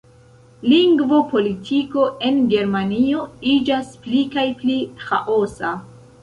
Lingvopolitiko en Germanio iĝas pli kaj pli ĥaosa.